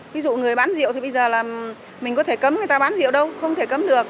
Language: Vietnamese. ví dụ người bán rượu thì bây giờ là mình có thể cấm người ta bán rượu đâu không thể cấm được